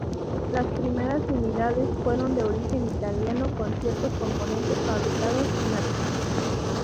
Las primeras unidades, fueron de origen italiano con ciertos componentes fabricados en Argentina.